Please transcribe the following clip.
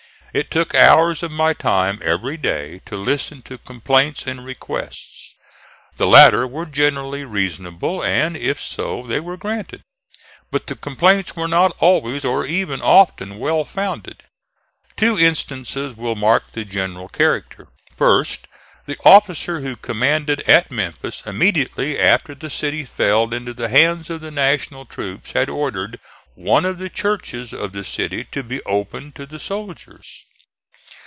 It took hours of my time every day to listen to complaints and requests. The latter were generally reasonable, and if so they were granted; but the complaints were not always, or even often, well founded. Two instances will mark the general character. First: the officer who commanded at Memphis immediately after the city fell into the hands of the National troops had ordered one of the churches of the city to be opened to the soldiers.